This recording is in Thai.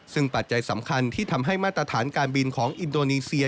ซึ่งปัจจัยสำคัญที่ทำให้มาตรฐานการบินของอินโดนีเซีย